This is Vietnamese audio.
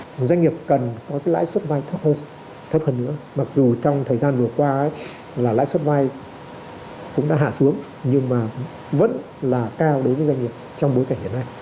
doanh nghiệp cần có cái lãi suất vai thấp hơn thấp hơn nữa mặc dù trong thời gian vừa qua là lãi suất vay cũng đã hạ xuống nhưng mà vẫn là cao đối với doanh nghiệp trong bối cảnh hiện nay